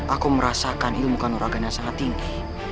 aku merasakan ilmu khanur agama sangat tinggi